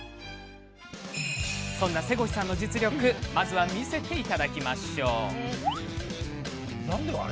そんな瀬越さんの実力まずは見せていただきましょう。